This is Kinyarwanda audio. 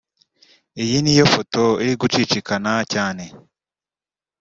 Iyi niyo foto iri gucicikana cyane